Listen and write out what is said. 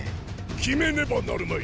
決めねばなるまい。